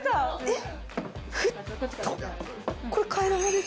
えっ！